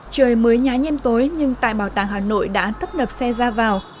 trời mới nhá nhiêm tối nhưng tại bảo tàng hà nội đã thấp nập xe ra vào